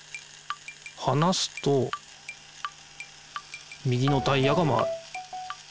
はなすと右のタイヤが回る。